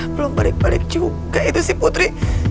belum balik balik juga itu sih putri